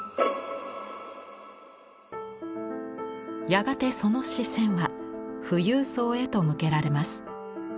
やがてその視線は富裕層へと向けられます。